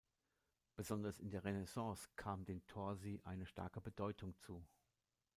Besonders in der Renaissance kam den Torsi eine starke Bedeutung zu.